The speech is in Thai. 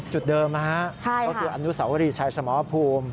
จุดเดิมครับเขาก็คืออนุสวรีชายสมอพภูมิ